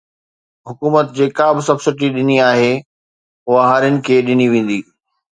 حڪومت جيڪا به سبسڊي ڏيڻي آهي اها هارين کي ڏني ويندي